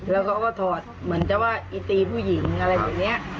แล้วเขาก็ถอดเหมือนจะว่าอีตีผู้หญิงอะไรแบบนี้